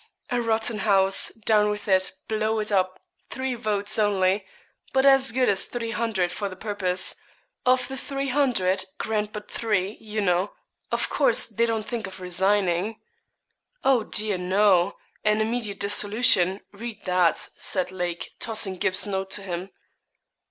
A rotten house down with it blow it up three votes only but as good as three hundred for the purpose of the three hundred, grant but three, you know of course, they don't think of resigning.' 'Oh, dear, no an immediate dissolution. Read that,' said Lake, tossing Gybes' note to him.